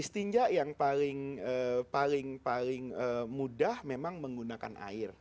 stinjak yang paling mudah memang menggunakan air